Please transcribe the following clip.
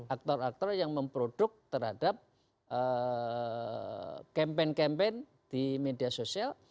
aktor aktor yang memproduk terhadap campaign campaign di media sosial